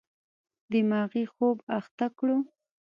دماغي خوب اخته کړو.